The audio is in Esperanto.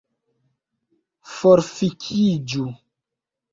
Forfikiĝu